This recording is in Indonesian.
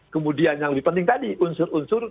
kemudian yang lebih penting tadi unsur unsur